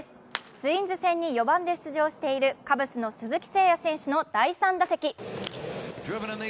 ツインズ戦に４番で出場しているカブスの鈴木誠也選手の第３打席。